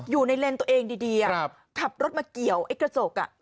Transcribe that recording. อยู่ในเลนส์ตัวเองดีอะขับรถมาเกี่ยวไอ้กระจกอะ